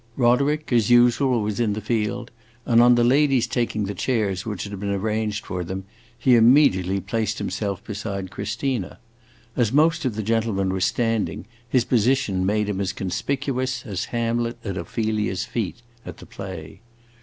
Roderick, as usual, was in the field, and, on the ladies taking the chairs which had been arranged for them, he immediately placed himself beside Christina. As most of the gentlemen were standing, his position made him as conspicuous as Hamlet at Ophelia's feet, at the play.